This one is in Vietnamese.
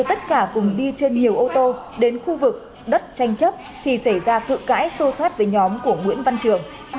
tất cả cùng đi trên nhiều ô tô đến khu vực đất tranh chấp thì xảy ra cự cãi sô sát với nhóm của nguyễn văn trường